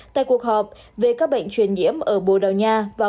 tại cuộc họp về các bệnh truyền nhiễm ở bồ đào nha